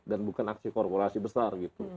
dan bukan aksi korporasi besar